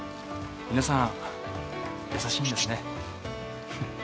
皆さん優しいんですね。